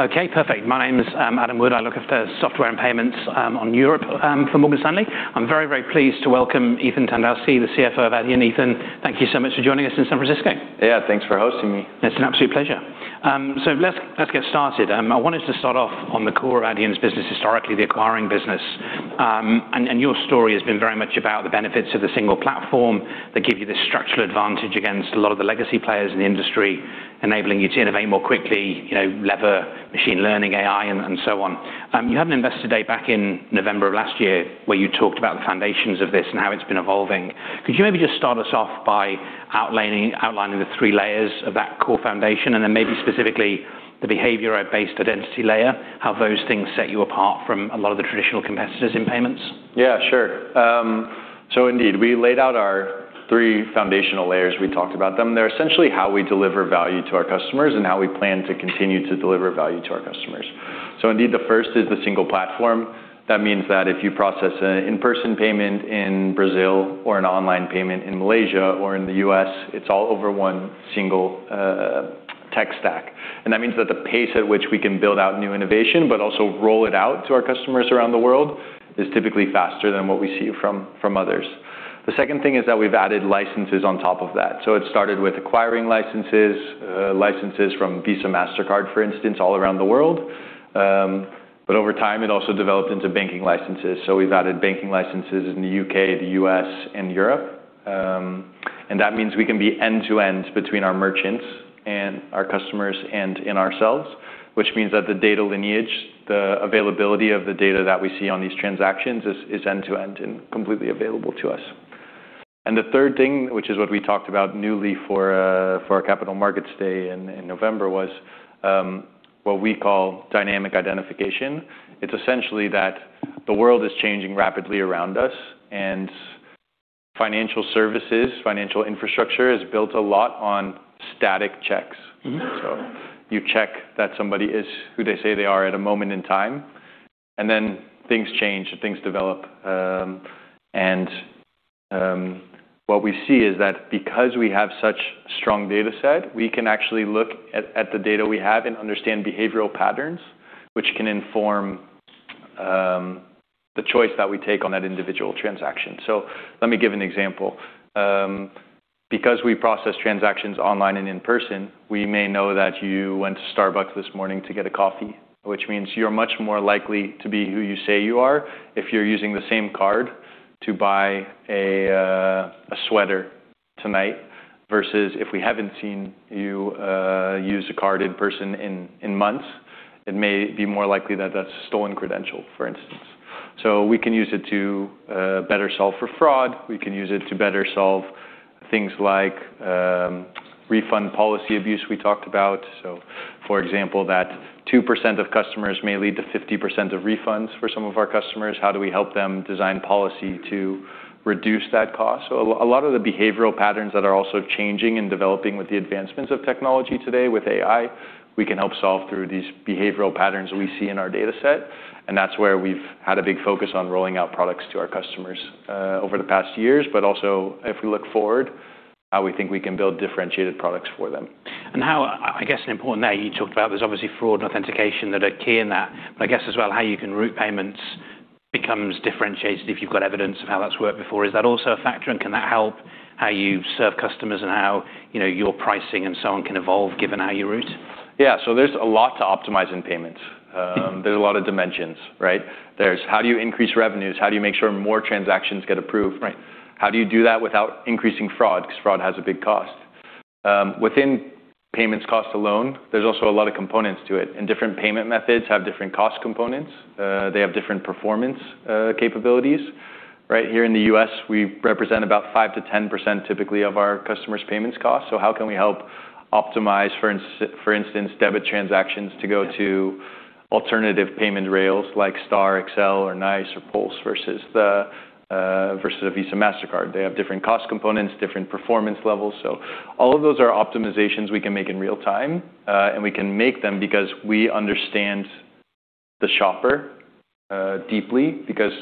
Okay, perfect. My name is Adam Wood. I look after software and payments on Europe for Morgan Stanley. I'm very, very pleased to welcome Ethan Tandowsky, the CFO of Adyen. Ethan, thank you so much for joining us in San Francisco. Yeah, thanks for hosting me. It's an absolute pleasure. Let's get started. I wanted to start off on the core of Adyen's business historically, the acquiring business. Your story has been very much about the benefits of the single platform that give you this structural advantage against a lot of the legacy players in the industry, enabling you to innovate more quickly, you know, leverage machine learning, AI, and so on. You had an investor day back in November of last year where you talked about the foundations of this and how it's been evolving. Could you maybe just start us off by outlining the three layers of that core foundation and then maybe specifically the behavior-based identity layer, how those things set you apart from a lot of the traditional competitors in payments? Yeah, sure. Indeed, we laid out our three foundational layers. We talked about them. They're essentially how we deliver value to our customers and how we plan to continue to deliver value to our customers. Indeed, the first is the single platform. That means that if you process an in-person payment in Brazil or an online payment in Malaysia or in the U.S., it's all over one single tech stack. That means that the pace at which we can build out new innovation but also roll it out to our customers around the world is typically faster than what we see from others. The second thing is that we've added licenses on top of that. It started with acquiring licenses from Visa, Mastercard, for instance, all around the world. Over time, it also developed into banking licenses. We've added banking licenses in the U.K., the U.S., and Europe. That means we can be end-to-end between our merchants and our customers and in ourselves, which means that the data lineage, the availability of the data that we see on these transactions is end-to-end and completely available to us. The third thing, which is what we talked about newly for our Capital Markets Day in November, was what we call Dynamic Identification. It's essentially that the world is changing rapidly around us, and financial services, financial infrastructure is built a lot on static checks. You check that somebody is who they say they are at a moment in time, and then things change and things develop. What we see is that because we have such strong dataset, we can actually look at the data we have and understand behavioral patterns, which can inform the choice that we take on that individual transaction. Let me give an example. Because we process transactions online and in person, we may know that you went to Starbucks this morning to get a coffee, which means you're much more likely to be who you say you are if you're using the same card to buy a sweater tonight versus if we haven't seen you use a card in person in months. It may be more likely that that's a stolen credential, for instance. We can use it to better solve for fraud. We can use it to better solve things like refund policy abuse we talked about. For example, that 2% of customers may lead to 50% of refunds for some of our customers. How do we help them design policy to reduce that cost? A lot of the behavioral patterns that are also changing and developing with the advancements of technology today with AI, we can help solve through these behavioral patterns we see in our dataset, and that's where we've had a big focus on rolling out products to our customers over the past years. Also if we look forward, how we think we can build differentiated products for them. I guess an important there you talked about there's obviously fraud and authentication that are key in that, but I guess as well how you can route payments becomes differentiated if you've got evidence of how that's worked before. Is that also a factor and can that help how you serve customers and how, you know, your pricing and so on can evolve given how you route? Yeah. There's a lot to optimize in payments. There's a lot of dimensions, right? There's how do you increase revenues? How do you make sure more transactions get approved? How do you do that without increasing fraud? 'Cause fraud has a big cost. Within payments cost alone, there's also a lot of components to it. Different payment methods have different cost components. They have different performance capabilities. Right here in the U.S., we represent about 5%-10% typically of our customers' payments cost. How can we help optimize, for instance, debit transactions to go to alternative payment rails like STAR, Accel, NYCE, or Pulse versus a Visa or Mastercard. They have different cost components, different performance levels. All of those are optimizations we can make in real time. We can make them because we understand the shopper deeply because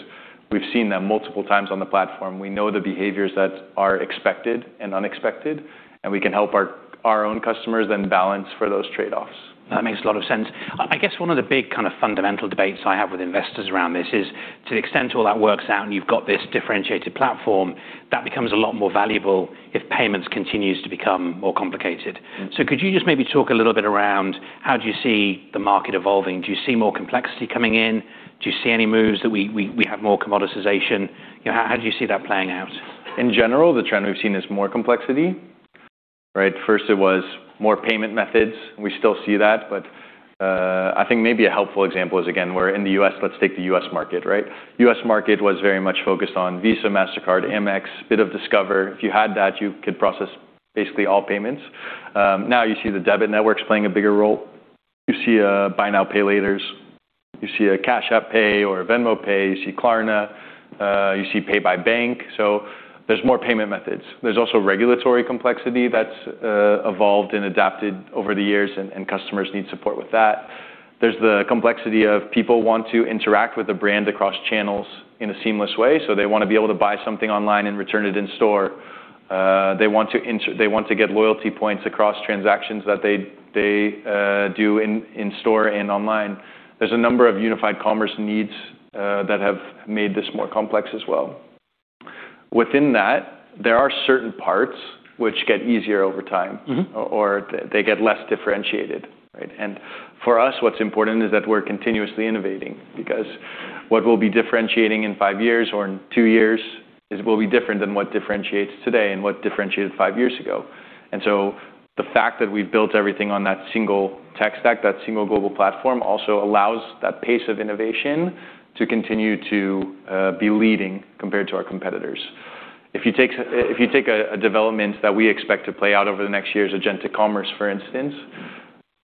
we've seen them multiple times on the platform. We know the behaviors that are expected and unexpected, and we can help our own customers then balance for those trade-offs. That makes a lot of sense. I guess one of the big kind of fundamental debates I have with investors around this is to the extent all that works out and you've got this differentiated platform, that becomes a lot more valuable if payments continues to become more complicated. Could you just maybe talk a little bit around how do you see the market evolving? Do you see more complexity coming in? Do you see any moves that we have more commoditization? You know, how do you see that playing out? In general, the trend we've seen is more complexity, right. First it was more payment methods, and we still see that. I think maybe a helpful example is, again, we're in the U.S. Let's take the U.S. market, right. U.S. market was very much focused on Visa, Mastercard, Amex, bit of Discover. If you had that, you could process basically all payments. Now you see the debit networks playing a bigger role. You see Buy Now, Pay Later. You see a Cash App Pay or a Venmo Pay. You see Klarna. You see Pay by Bank. There's more payment methods. There's also regulatory complexity that's evolved and adapted over the years, and customers need support with that. There's the complexity of people want to interact with the brand across channels in a seamless way, so they want to be able to buy something online and return it in store. They want to get loyalty points across transactions that they do in store and online. There's a number of Unified Commerce needs that have made this more complex as well. Within that, there are certain parts which get easier over time or they get less differentiated, right? For us, what's important is that we're continuously innovating because what we'll be differentiating in five years or in two years will be different than what differentiates today and what differentiated five years ago. The fact that we've built everything on that single tech stack, that single global platform also allows that pace of innovation to continue to be leading compared to our competitors. If you take a development that we expect to play out over the next years, Agentic Commerce, for instance,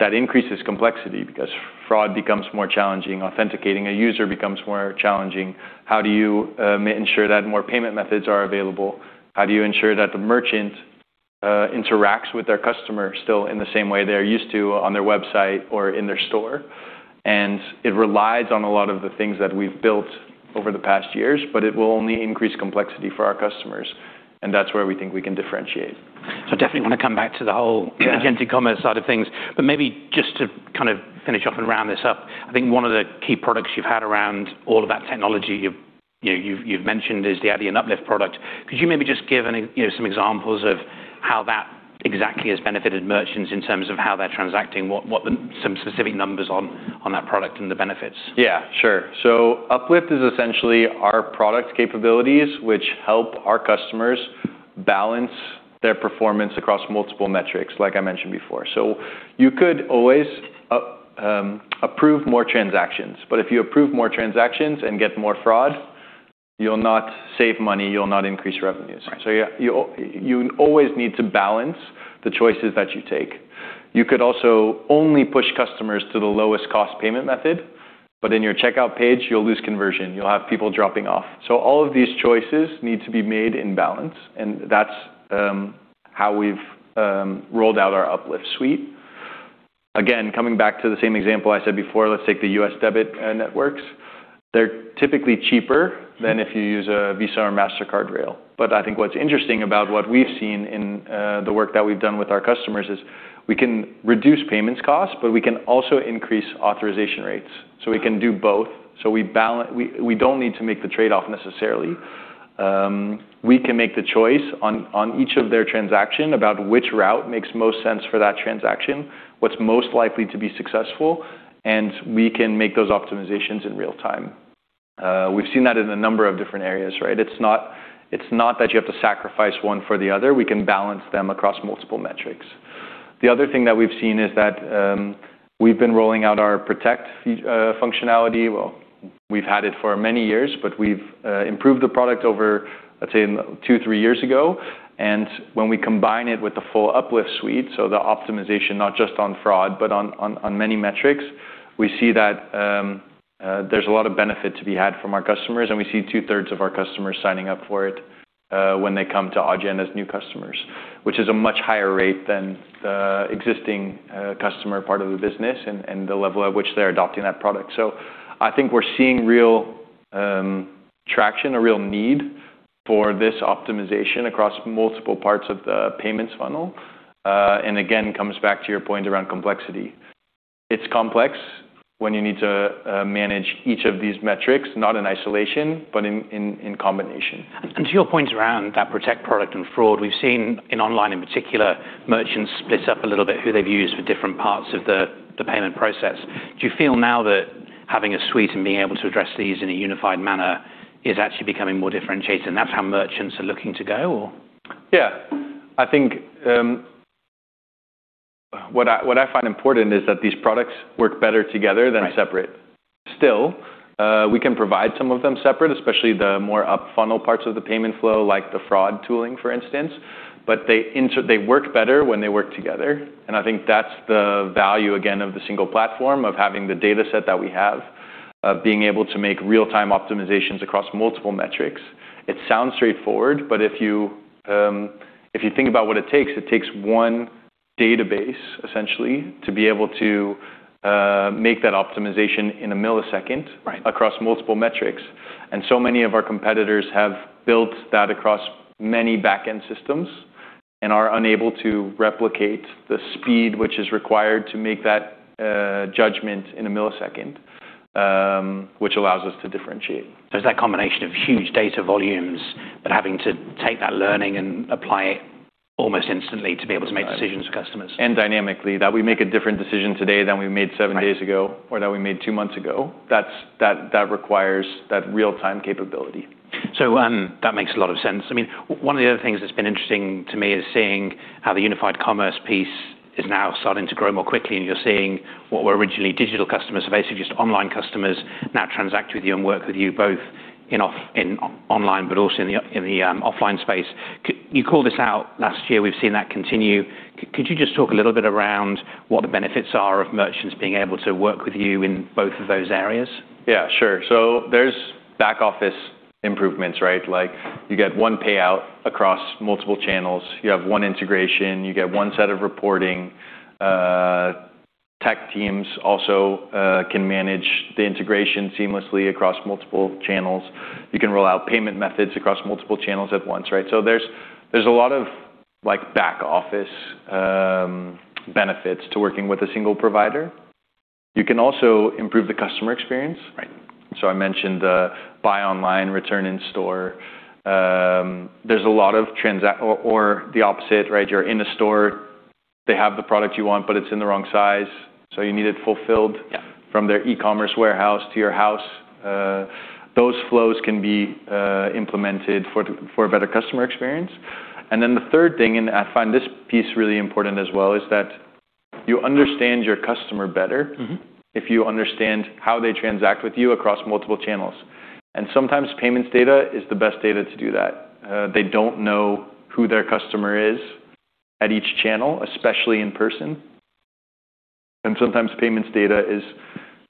that increases complexity because fraud becomes more challenging, authenticating a user becomes more challenging. How do you ensure that more payment methods are available? How do you ensure that the merchant interacts with their customer still in the same way they're used to on their website or in their store? It relies on a lot of the things that we've built over the past years but it will only increase complexity for our customers and that's where we think we can differentiate. I definitely want to come back to the whole. Agentic Commerce side of things. Maybe just to kind of finish off and round this up, I think one of the key products you've had around all of that technology you've mentioned is the Adyen Uplift product. Could you maybe just give you know, some examples of how that exactly has benefited merchants in terms of how they're transacting? What the some specific numbers on that product and the benefits. Yeah, sure. Uplift is essentially our product capabilities which help our customers balance their performance across multiple metrics, like I mentioned before. You could always approve more transactions, but if you approve more transactions and get more fraud, you'll not save money, you'll not increase revenues. Yeah, you always need to balance the choices that you take. You could also only push customers to the lowest cost payment method, but in your checkout page you'll lose conversion. You'll have people dropping off. All of these choices need to be made in balance and that's how we've rolled out our Uplift suite. Again, coming back to the same example I said before, let's take the U.S. debit networks. They're typically cheaper than if you use a Visa or Mastercard rail. I think what's interesting about what we've seen in the work that we've done with our customers is we can reduce payments cost but we can also increase authorization rates. We can do both. We don't need to make the trade-off necessarily. We can make the choice on each of their transaction about which route makes most sense for that transaction, what's most likely to be successful, and we can make those optimizations in real time. We've seen that in a number of different areas, right? It's not that you have to sacrifice one for the other. We can balance them across multiple metrics. The other thing that we've seen is that we've been rolling out our Protect functionality. We've had it for many years but we've improved the product over let's say two, three years ago and when we combine it with the full Uplift suite, so the optimization not just on fraud but on many metrics, we see that there's a lot of benefit to be had from our customers and we see two-thirds of our customers signing up for it when they come to Adyen as new customers, which is a much higher rate than the existing customer part of the business and the level at which they're adopting that product. I think we're seeing real traction, a real need for this optimization across multiple parts of the payments funnel. Again, comes back to your point around complexity. It's complex when you need to manage each of these metrics not in isolation but in, in combination. To your point around that Protect product and fraud, we've seen in online in particular merchants split up a little bit who they've used for different parts of the payment process. Do you feel now that having a suite and being able to address these in a unified manner is actually becoming more differentiated and that's how merchants are looking to go or? I think, what I find important is that these products work better together than separate. Still, we can provide some of them separate, especially the more up-funnel parts of the payment flow like the fraud tooling for instance, but they work better when they work together and I think that's the value again of the single platform of having the dataset that we have of being able to make real time optimizations across multiple metrics. It sounds straightforward but if you think about what it takes, it takes one database essentially to be able to make that optimization in a millisecond across multiple metrics and so many of our competitors have built that across many back-end systems and are unable to replicate the speed which is required to make that judgment in a millisecond, which allows us to differentiate. There's that combination of huge data volumes but having to take that learning and apply it almost instantly to be able to make decisions for customers. Dynamically that we make a different decision today than we made seven days ago or that we made two months ago. That's that requires that real time capability. That makes a lot of sense. I mean, one of the other things that's been interesting to me is seeing how the Unified Commerce piece is now starting to grow more quickly and you're seeing what were originally digital customers, so basically just online customers now transact with you and work with you both in online but also in the offline space. You called this out last year. We've seen that continue. Could you just talk a little bit around what the benefits are of merchants being able to work with you in both of those areas? Yeah, sure. There's back office improvements, right? Like you get one payout across multiple channels. You have one integration. You get one set of reporting. Tech teams also can manage the integration seamlessly across multiple channels. You can roll out payment methods across multiple channels at once, right? There's a lot of like back-office benefits to working with a single provider. You can also improve the customer experience. I mentioned the buy online, return in store. There's a lot of or the opposite, right? You're in a store, they have the product you want, but it's in the wrong size, so you need it fulfilled from their e-commerce warehouse to your house. Those flows can be implemented for a better customer experience. Then the third thing, and I find this piece really important as well, is that you understand your customer better. If you understand how they transact with you across multiple channels. Sometimes payments data is the best data to do that. They don't know who their customer is at each channel, especially in person. Sometimes payments data is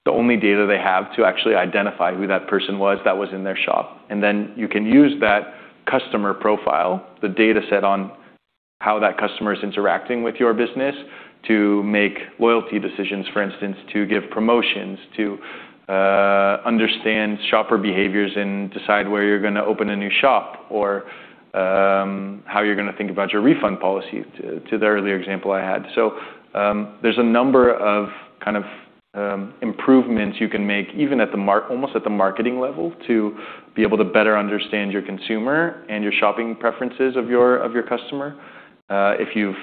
the only data they have to actually identify who that person was that was in their shop. Then you can use that customer profile, the dataset on how that customer is interacting with your business to make loyalty decisions, for instance, to give promotions, to understand shopper behaviors and decide where you're gonna open a new shop, or how you're gonna think about your refund policy, to the earlier example I had. There's a number of, kind of, improvements you can make even at the almost at the marketing level to be able to better understand your consumer and your shopping preferences of your customer, if you've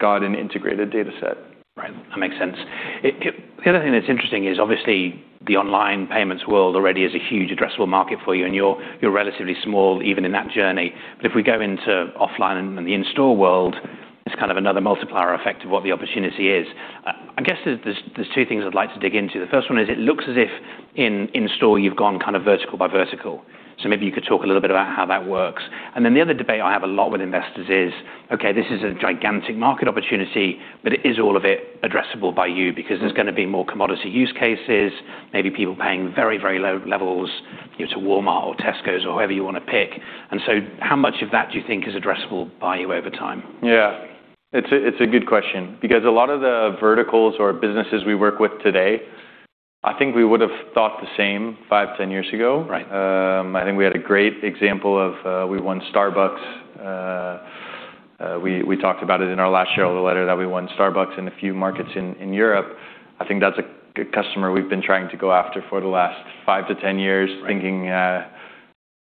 got an integrated dataset. Right. That makes sense. The other thing that's interesting is obviously the online payments world already is a huge addressable market for you, and you're relatively small even in that journey. If we go into offline and the in-store world, it's kind of another multiplier effect of what the opportunity is. I guess there's two things I'd like to dig into. The first one is it looks as if in-store, you've gone kind of vertical by vertical. The other debate I have a lot with investors is, okay, this is a gigantic market opportunity, but is all of it addressable by you? There's gonna be more commodity use cases, maybe people paying very, very low levels, you know, to Walmart or Tesco or whoever you wanna pick. How much of that do you think is addressable by you over time? Yeah. It's a good question because a lot of the verticals or businesses we work with today, I think we would've thought the same five, 10 years ago. I think we had a great example of, we won Starbucks. We talked about it in our last shareholder letter that we won Starbucks in a few markets in Europe. I think that's a good customer we've been trying to go after for the last 5-10 years thinking,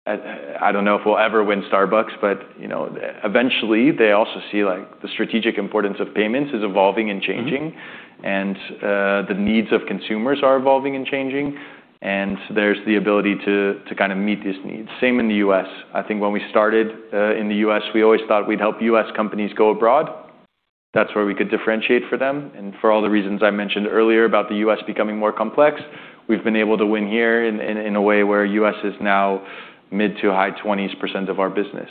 I don't know if we'll ever win Starbucks, but, you know, eventually they also see like the strategic importance of payments is evolving and changing. The needs of consumers are evolving and changing, and there's the ability to kind of meet these needs. Same in the U.S. I think when we started in the U.S., we always thought we'd help U.S. companies go abroad. That's where we could differentiate for them. For all the reasons I mentioned earlier about the U.S. becoming more complex, we've been able to win here in a way where U.S. is now mid to high 20s% of our business.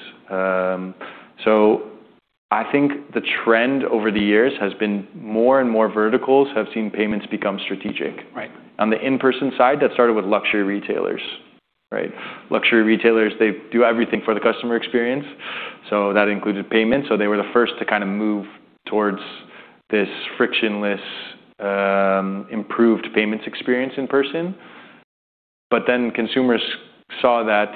I think the trend over the years has been more and more verticals have seen payments become strategic. On the in-person side, that started with luxury retailers, right? Luxury retailers, they do everything for the customer experience. That included payments. They were the first to kind of move towards this frictionless, improved payments experience in person. Consumers saw that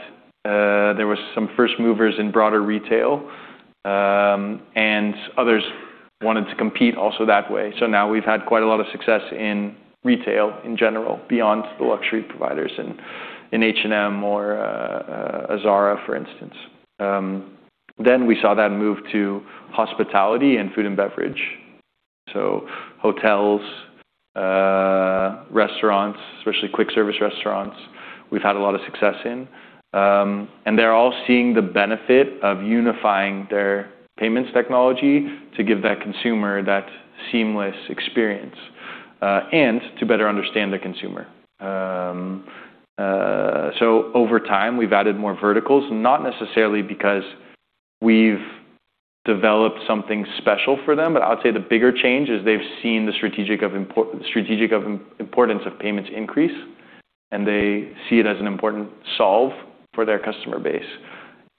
there were some first movers in broader retail. Others wanted to compete also that way. Now we've had quite a lot of success in retail in general, beyond the luxury providers in H&M or Zara, for instance. We saw that move to hospitality and food and beverage. Hotels, restaurants, especially quick service restaurants, we've had a lot of success in. They're all seeing the benefit of unifying their payments technology to give that consumer that seamless experience and to better understand the consumer. Over time we've added more verticals, not necessarily because we've developed something special for them, but I would say the bigger change is they've seen the strategic importance of payments increase, they see it as an important solve for their customer base.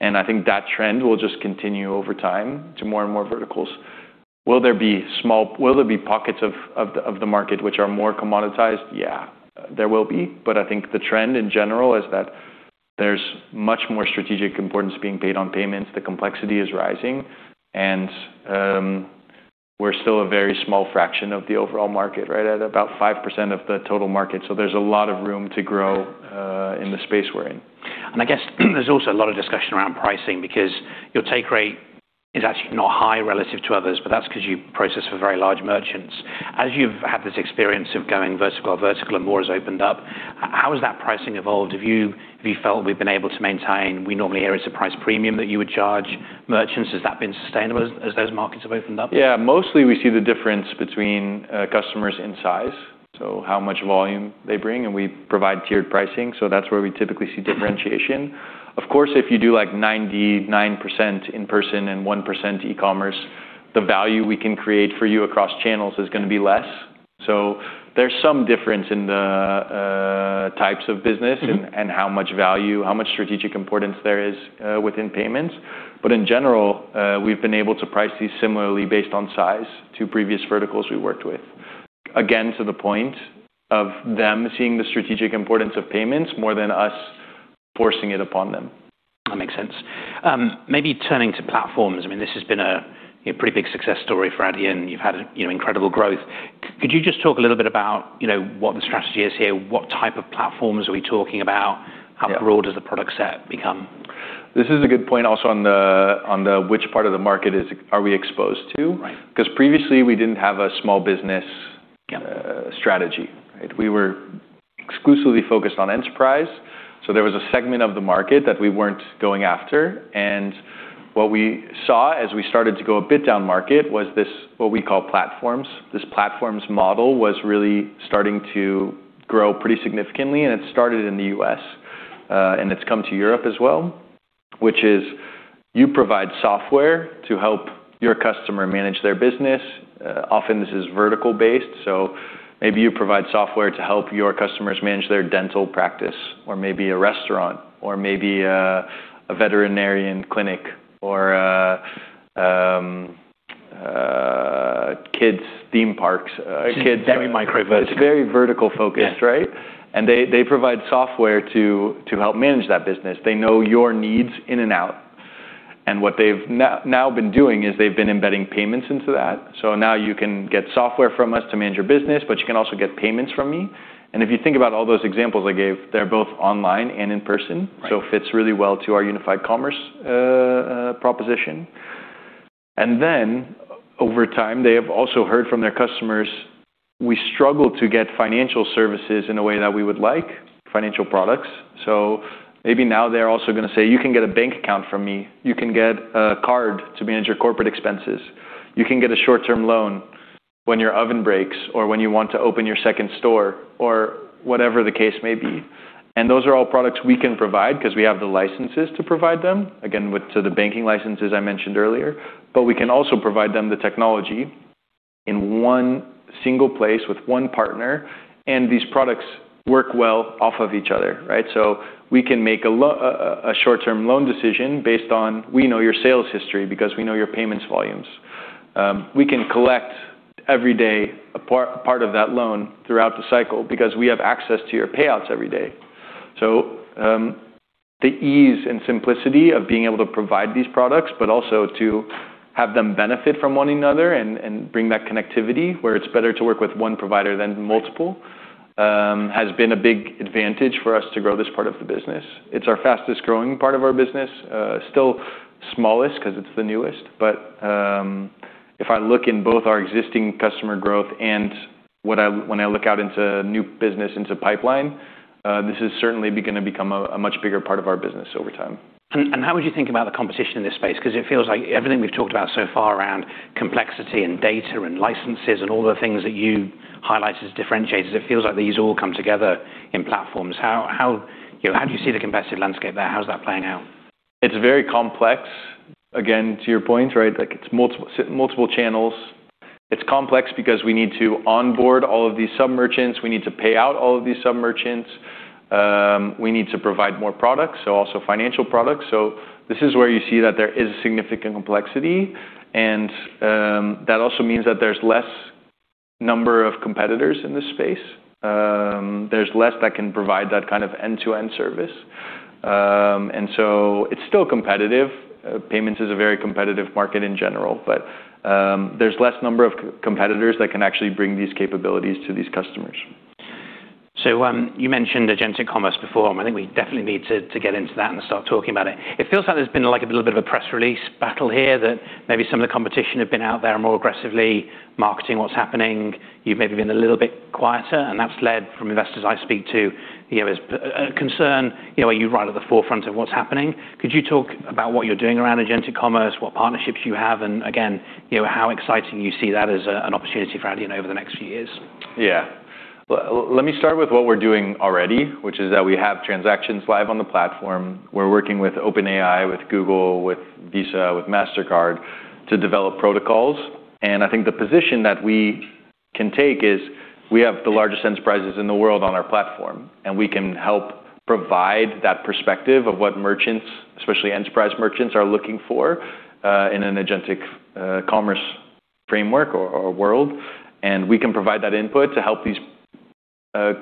I think that trend will just continue over time to more and more verticals. Will there be small pockets of the market which are more commoditized? Yeah, there will be. I think the trend in general is that there's much more strategic importance being paid on payments. The complexity is rising and we're still a very small fraction of the overall market, right at about 5% of the total market. There's a lot of room to grow in the space we're in. I guess there's also a lot of discussion around pricing because your take rate is actually not high relative to others, but that's 'cause you process for very large merchants. As you've had this experience of going vertical, and more has opened up, how has that pricing evolved? Have you felt we've been able to maintain? We normally hear it's a price premium that you would charge merchants. Has that been sustainable as those markets have opened up? Yeah. Mostly we see the difference between customers in size, so how much volume they bring, and we provide tiered pricing. That's where we typically see differentiation. Of course, if you do like 99% in person and 1% e-commerce, the value we can create for you across channels is gonna be less. There's some difference in the types of business and how much value, how much strategic importance there is within payments. In general, we've been able to price these similarly based on size to previous verticals we worked with. Again, to the point of them seeing the strategic importance of payments more than us forcing it upon them. That makes sense. Maybe turning to platforms, I mean, this has been a pretty big success story for Adyen. You've had, you know, incredible growth. Could you just talk a little bit about, you know, what the strategy is here? What type of platforms are we talking about? How broad does the product set become? This is a good point also on the, on the which part of the market are we exposed to? 'Cause previously we didn't have a small business strategy. We were exclusively focused on enterprise, so there was a segment of the market that we weren't going after. What we saw as we started to go a bit down market was this, what we call platforms. This platforms model was really starting to grow pretty significantly, and it started in the U.S., and it's come to Europe as well, which is you provide software to help your customer manage their business. Often this is vertical-based, so maybe you provide software to help your customers manage their dental practice or maybe a restaurant or maybe a veterinarian clinic or a kids' theme parks. Semi micro-vertical. It's very vertical-focused. Right? They provide software to help manage that business. They know your needs in and out. What they've now been doing is they've been embedding payments into that. Now you can get software from us to manage your business, but you can also get payments from me. If you think about all those examples I gave, they're both online and in person. It fits really well to our Unified Commerce proposition. Over time, they have also heard from their customers, we struggle to get financial services in a way that we would like, financial products. Maybe now they're also gonna say, "You can get a bank account from me. You can get a card to manage your corporate expenses. You can get a short-term loan when your oven breaks or when you want to open your second store," or whatever the case may be. Those are all products we can provide 'cause we have the licenses to provide them, again, so the banking licenses I mentioned earlier. We can also provide them the technology in one single place with one partner, and these products work well off of each other, right? We can make a short-term loan decision based on we know your sales history because we know your payments volumes. We can collect every day a part of that loan throughout the cycle because we have access to your payouts every day. The ease and simplicity of being able to provide these products, but also to have them benefit from one another and bring that connectivity where it's better to work with one provider than multiple has been a big advantage for us to grow this part of the business. It's our fastest-growing part of our business, still smallest 'cause it's the newest. If I look in both our existing customer growth and when I look out into new business into pipeline, this is certainly gonna become a much bigger part of our business over time. How would you think about the competition in this space? 'Cause it feels like everything we've talked about so far around complexity and data and licenses and all the things that you highlight as differentiators, it feels like these all come together in platforms. How, you know, how do you see the competitive landscape there? How's that playing out? It's very complex, again, to your point, right? Like it's multiple channels. It's complex because we need to onboard all of these sub-merchants. We need to pay out all of these sub-merchants. We need to provide more products, so also financial products. This is where you see that there is significant complexity, and that also means that there's less number of competitors in this space. There's less that can provide that kind of end-to-end service. It's still competitive. Payments is a very competitive market in general, but there's less number of competitors that can actually bring these capabilities to these customers. You mentioned Agentic Commerce before. I think we definitely need to get into that and start talking about it. It feels like there's been like a little bit of a press release battle here that maybe some of the competition have been out there more aggressively marketing what's happening. You've maybe been a little bit quieter, and that's led from investors I speak to, you know, as a concern, you know, are you right at the forefront of what's happening. Could you talk about what you're doing around Agentic Commerce, what partnerships you have, and again, you know, how exciting you see that as a, an opportunity for Adyen over the next few years? Yeah. Let me start with what we're doing already, which is that we have transactions live on the platform. We're working with OpenAI, with Google, with Visa, with Mastercard to develop protocols. I think the position that we can take is we have the largest enterprises in the world on our platform, and we can help provide that perspective of what merchants, especially enterprise merchants, are looking for in an Agentic Commerce framework or world. We can provide that input to help these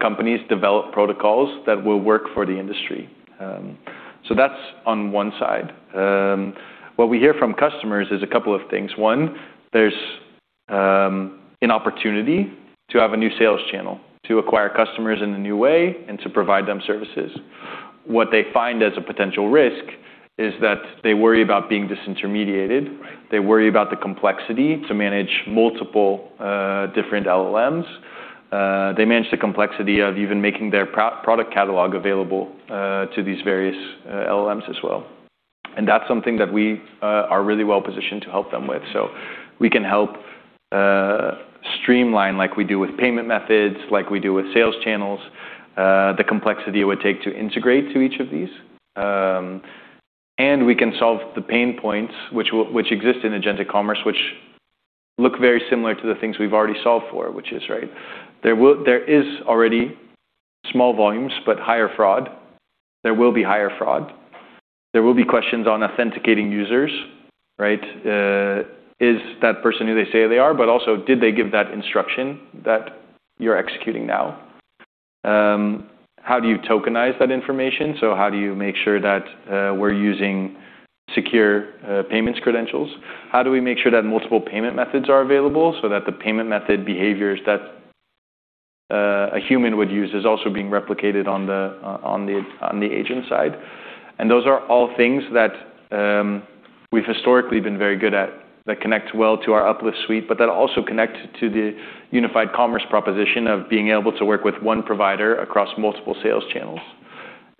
companies develop protocols that will work for the industry. That's on one side. What we hear from customers is a couple of things. One, there's an opportunity to have a new sales channel to acquire customers in a new way and to provide them services. What they find as a potential risk is that they worry about being disintermediated. They worry about the complexity to manage multiple, different LLMs. They manage the complexity of even making their product catalog available, to these various, LLMs as well. That's something that we are really well-positioned to help them with. We can help streamline like we do with payment methods, like we do with sales channels, the complexity it would take to integrate to each of these. We can solve the pain points which exist in Agentic Commerce, which look very similar to the things we've already solved for, which is, right. There is already small volumes, but higher fraud. There will be higher fraud. There will be questions on authenticating users, right? Is that person who they say they are, but also did they give that instruction that you're executing now? How do you tokenize that information? How do you make sure that we're using secure payments credentials? How do we make sure that multiple payment methods are available so that the payment method behaviors that a human would use is also being replicated on the agent side? Those are all things that we've historically been very good at that connect well to our Uplift suite, but that also connect to the Unified Commerce proposition of being able to work with one provider across multiple sales channels.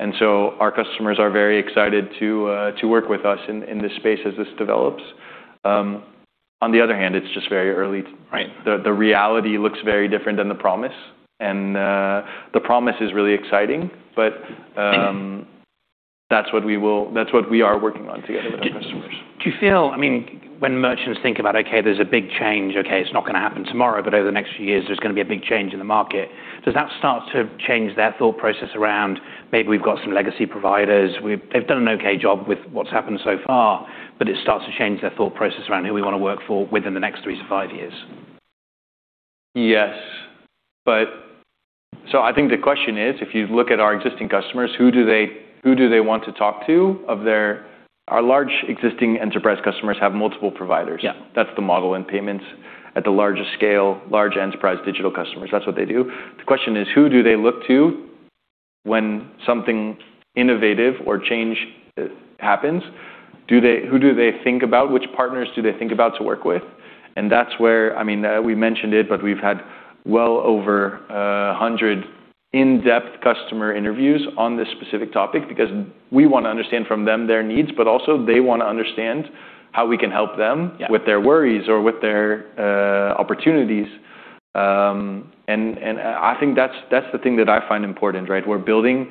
Our customers are very excited to work with us in this space as this develops. On the other hand, it's just very early. The reality looks very different than the promise. The promise is really exciting, but that's what we are working on together with our customers. Do you feel, I mean, when merchants think about, okay, there's a big change, okay, it's not gonna happen tomorrow, but over the next few years, there's gonna be a big change in the market. Does that start to change their thought process around maybe we've got some legacy providers? They've done an okay job with what's happened so far, but it starts to change their thought process around who we wanna work for within the next three to five years? Yes. I think the question is, if you look at our existing customers, who do they want to talk to of their. Our large existing enterprise customers have multiple providers. That's the model in payments at the largest scale, large enterprise digital customers. That's what they do. The question is, who do they look to when something innovative or change happens? Who do they think about? Which partners do they think about to work with? That's where, I mean, we mentioned it, but we've had well over 100 in-depth customer interviews on this specific topic because we wanna understand from them their needs, but also they wanna understand how we can help them with their worries or with their opportunities. I think that's the thing that I find important, right? We're building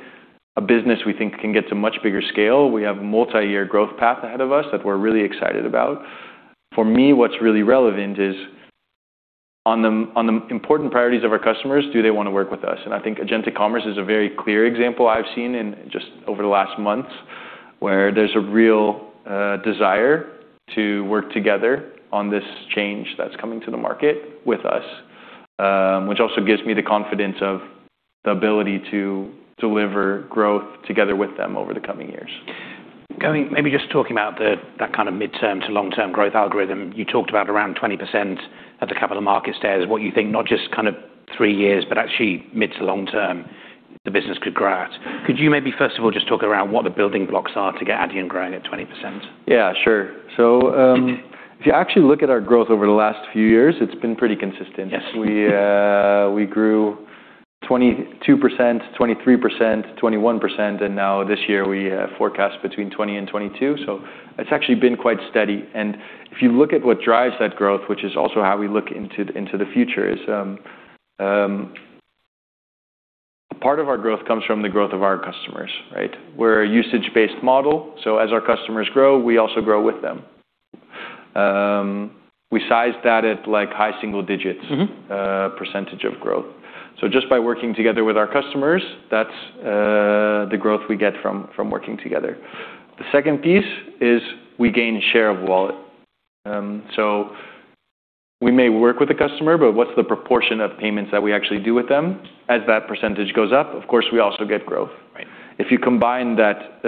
a business we think can get to much bigger scale. We have multi-year growth path ahead of us that we're really excited about. For me, what's really relevant is on the important priorities of our customers, do they wanna work with us? I think Agentic Commerce is a very clear example I've seen in just over the last months, where there's a real desire to work together on this change that's coming to the market with us. Which also gives me the confidence of the ability to deliver growth together with them over the coming years. Maybe just talking about that kind of midterm to long-term growth algorithm. You talked about around 20% at the Capital Markets Day is what you think, not just kind of 3 years, but actually mid to long term the business could grow at. Could you maybe first of all just talk around what the building blocks are to get Adyen growing at 20%? Yeah, sure. If you actually look at our growth over the last few years, it's been pretty consistent. Yes. We grew 22%, 23%, 21%, and now this year we forecast between 20% and 22%. It's actually been quite steady. If you look at what drives that growth, which is also how we look into the future, is part of our growth comes from the growth of our customers, right? We're a usage-based model, so as our customers grow, we also grow with them. We size that at like high single digits percentage of growth. Just by working together with our customers, that's the growth we get from working together. The second piece is we gain share of wallet. We may work with a customer, but what's the proportion of payments that we actually do with them? As that percentage goes up, of course, we also get growth. If you combine that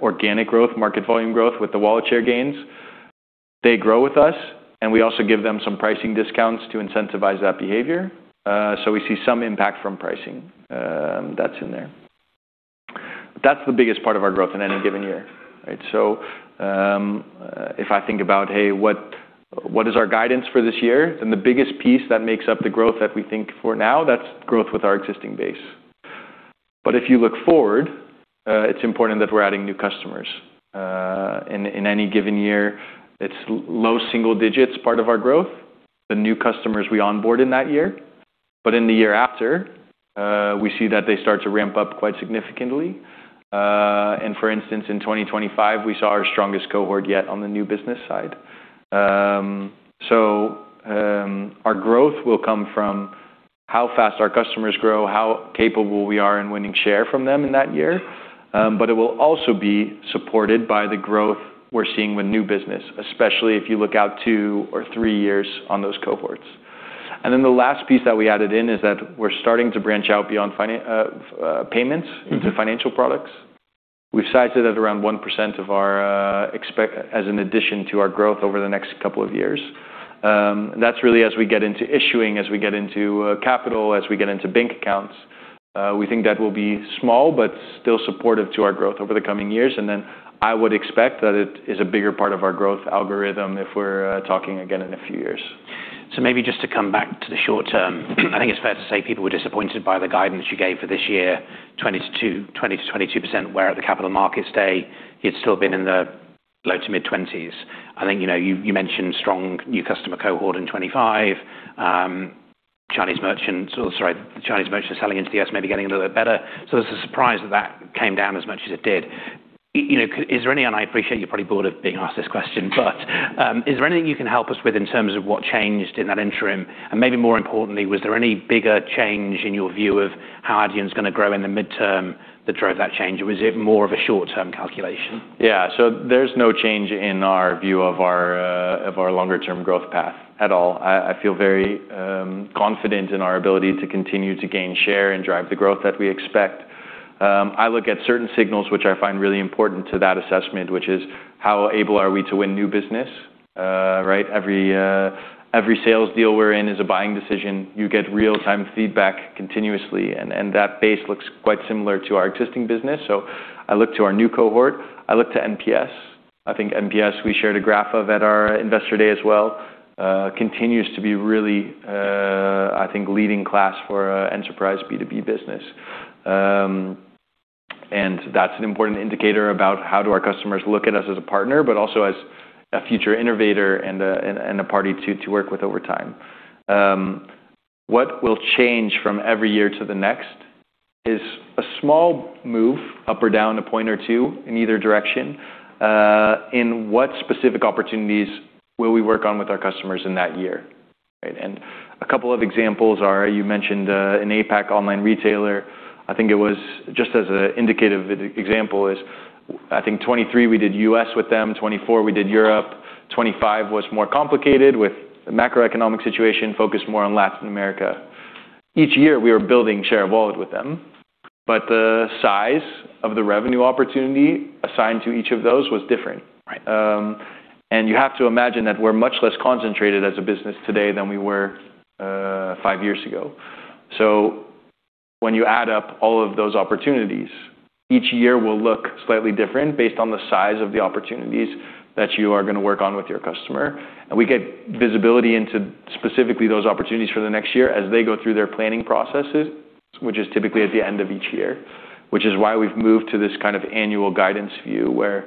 organic growth, market volume growth with the wallet share gains, they grow with us, and we also give them some pricing discounts to incentivize that behavior. We see some impact from pricing that's in there. That's the biggest part of our growth in any given year, right? If I think about, hey, what is our guidance for this year? The biggest piece that makes up the growth that we think for now, that's growth with our existing base. If you look forward, it's important that we're adding new customers. In any given year, it's low single digits part of our growth, the new customers we onboard in that year. In the year after, we see that they start to ramp up quite significantly. For instance, in 2025, we saw our strongest cohort yet on the new business side. Our growth will come from how fast our customers grow, how capable we are in winning share from them in that year. It will also be supported by the growth we're seeing with new business, especially if you look out two or three years on those cohorts. The last piece that we added in is that we're starting to branch out beyond payments into financial products. We've sized it at around 1% of our as an addition to our growth over the next couple of years. That's really as we get into issuing, as we get into, capital, as we get into bank accounts, we think that will be small but still supportive to our growth over the coming years. I would expect that it is a bigger part of our growth algorithm if we're talking again in a few years. Maybe just to come back to the short term, I think it's fair to say people were disappointed by the guidance you gave for this year, 20%-22%, where at the Capital Markets Day, it's still been in the low to mid-20s. I think, you know, you mentioned strong new customer cohort in 25. Chinese merchants or sorry, the Chinese merchants selling into the U.S. maybe getting a little bit better. It's a surprise that that came down as much as it did. You know, is there any. I appreciate you're probably bored of being asked this question, but, is there anything you can help us with in terms of what changed in that interim? Maybe more importantly, was there any bigger change in your view of how Adyen is gonna grow in the midterm that drove that change? Or was it more of a short-term calculation? Yeah. There's no change in our view of our of our longer-term growth path at all. I feel very confident in our ability to continue to gain share and drive the growth that we expect. I look at certain signals which I find really important to that assessment, which is how able are we to win new business. Right? Every sales deal we're in is a buying decision. You get real-time feedback continuously, that base looks quite similar to our existing business. I look to our new cohort. I look to NPS. I think NPS, we shared a graph of at our investor day as well, continues to be really, I think, leading class for enterprise B2B business. That's an important indicator about how do our customers look at us as a partner but also as a future innovator and a party to work with over time. What will change from every year to the next is a small move up or down, a point or two in either direction, in what specific opportunities will we work on with our customers in that year, right? A couple of examples are, you mentioned an APAC online retailer. I think it was just as an indicative example is I think 2023, we did U.S. with them. 2024, we did Europe. 2025 was more complicated with the macroeconomic situation, focused more on Latin America. Each year, we are building share of wallet with them, but the size of the revenue opportunity assigned to each of those was different. You have to imagine that we're much less concentrated as a business today than we were, five years ago. When you add up all of those opportunities, each year will look slightly different based on the size of the opportunities that you are gonna work on with your customer. We get visibility into specifically those opportunities for the next year as they go through their planning processes, which is typically at the end of each year, which is why we've moved to this kind of annual guidance view where,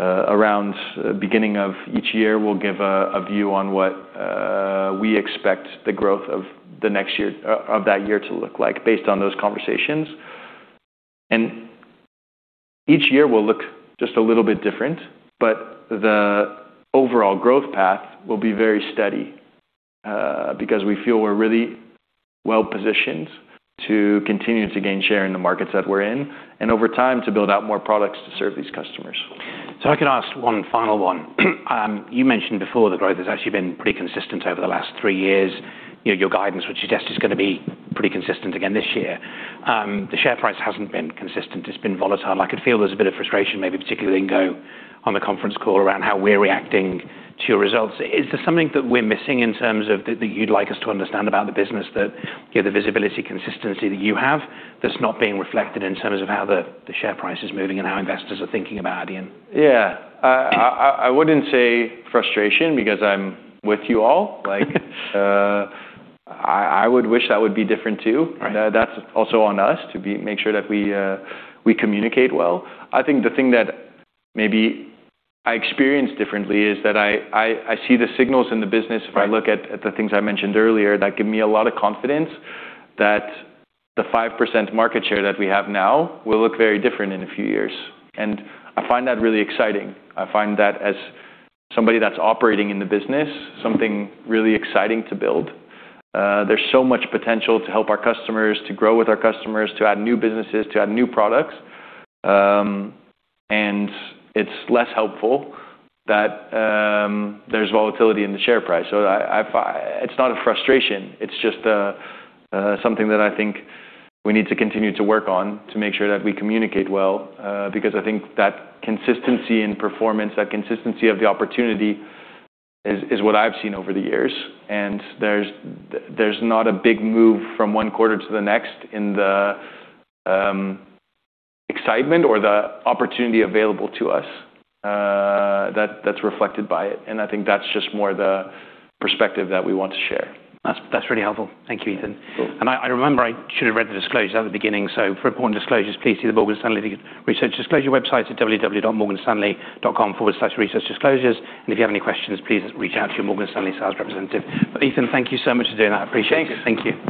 around beginning of each year, we'll give a view on what we expect the growth of that year to look like based on those conversations. Each year will look just a little bit different, but the overall growth path will be very steady, because we feel we're really well-positioned to continue to gain share in the markets that we're in and over time to build out more products to serve these customers. If I could ask one final one. You mentioned before the growth has actually been pretty consistent over the last three years. You know, your guidance, which you just is gonna be pretty consistent again this year. The share price hasn't been consistent. It's been volatile. I could feel there's a bit of frustration, maybe particularly in on the conference call around how we're reacting to your results. Is there something that we're missing in terms of that you'd like us to understand about the business that, you know, the visibility, consistency that you have that's not being reflected in terms of how the share price is moving and how investors are thinking about Adyen? Yeah. I wouldn't say frustration because I'm with you all. Like, I would wish that would be different too. That's also on us make sure that we communicate well. I think the thing that maybe I experience differently is that I see the signals in the business if I look at the things I mentioned earlier, that give me a lot of confidence that the 5% market share that we have now will look very different in a few years. I find that really exciting. I find that as somebody that's operating in the business, something really exciting to build. There's so much potential to help our customers, to grow with our customers, to add new businesses, to add new products. It's less helpful that there's volatility in the share price. It's not a frustration, it's just something that I think we need to continue to work on to make sure that we communicate well, because I think that consistency in performance, that consistency of the opportunity is what I've seen over the years. There's not a big move from one quarter to the next in the excitement or the opportunity available to us, that's reflected by it. I think that's just more the perspective that we want to share. That's really helpful. Thank you, Ethan. Cool. I remember I should have read the disclosure at the beginning. For important disclosures, please see the Morgan Stanley Research Disclosure website at www.morganstanley.com/researchdisclosures. If you have any questions, please reach out to your Morgan Stanley sales representative. Ethan, thank you so much for doing that. I appreciate it. Thank you. Thank you.